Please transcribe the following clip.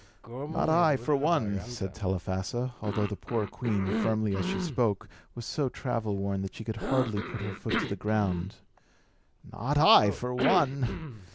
"Not I, for one," said Telephassa; although the poor queen, firmly as she spoke, was so travel worn that she could hardly put her foot to the ground "not I, for one!